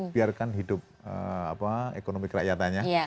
biarkan hidup ekonomi kerakyatannya